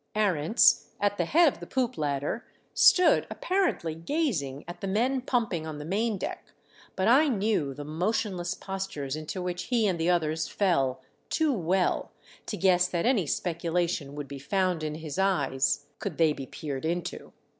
Arents at the head of the poop ladder stood apparently gazing at the men pumping on the main deck, but I knew the motionless postures into which he and the others fell too well to guess that any speculation would be found in his eyes could they be peered into.